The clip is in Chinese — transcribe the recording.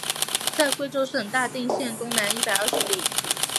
在贵州省大定县东南一百二十里。